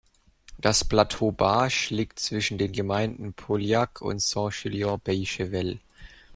Das Plateau Bages liegt zwischen den Gemeinden Pauillac und Saint-Julien-Beychevelle.